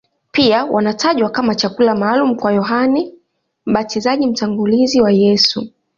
Pia wanatajwa kama chakula maalumu cha Yohane Mbatizaji, mtangulizi wa Yesu.